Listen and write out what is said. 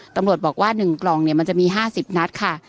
ตำรวจบอกว่า๑กล่องมันจะมี๕๐นัดค่ะ